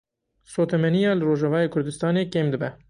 Sotemeniya li Rojavayê Kurdistanê kêm dibe.